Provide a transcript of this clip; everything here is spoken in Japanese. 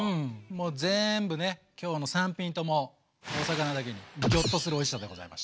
全部ねきょうの３品ともお魚だけにギョッとするおいしさでございました。